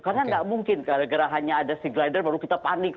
karena nggak mungkin karena gerahannya ada sea glider baru kita panik